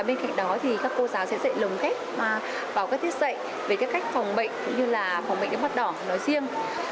bên cạnh đó thì các cô giáo sẽ dạy lồng kết và bảo các thiết dạy về các cách phòng bệnh cũng như là phòng bệnh đau mắt đỏ nói riêng